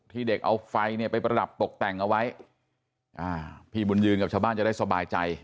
เด็กเอาไฟเนี่ยไปประดับตกแต่งเอาไว้อ่าพี่บุญยืนกับชาวบ้านจะได้สบายใจ